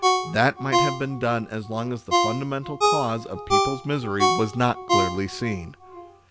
That might have been done as long as the fundamental cause of people's misery was not clearly seen.